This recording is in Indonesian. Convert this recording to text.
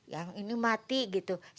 yang ini mati gitu